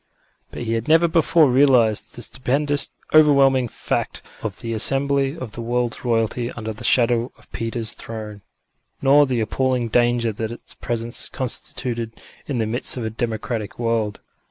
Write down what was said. But he had never before realised the stupendous, overwhelming fact of the assembly of the world's royalty under the shadow of Peter's Throne, nor the appalling danger that its presence constituted in the midst of a democratic world.